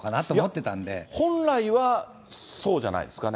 いや、本来はそうじゃないですかね。